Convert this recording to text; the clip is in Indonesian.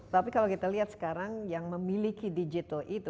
tapi kalau kita lihat sekarang yang memiliki digital itu